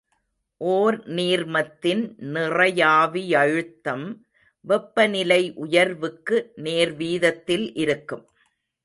ஓர் நீர்மத்தின் நிறையாவியழுத்தம் வெப்பநிலை உயர்வுக்கு நேர்வீதத்தில் இருக்கும்.